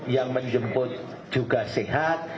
yang dijemput juga sehat